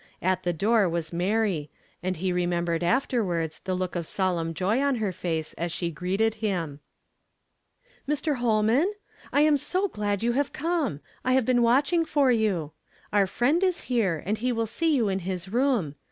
/Vt the door was Mary, and he remembered after i IIM 'I 242 YESTERDAY FRAMED IN TO DAY. wards the look of solemn joy on her face as she greeted him. " Mr. Holnian ? I am so glad you liave come ! I have been watching for you. Our friend is here, and he will see you in his room.